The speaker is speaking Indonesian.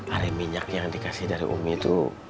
are minyak yang dikasih dari umi tuh